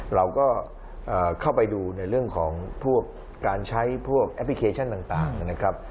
เราก็เข้าไปดูในเรื่องของพวกการใช้พวกแอปพลิเคชันต่างนะครับ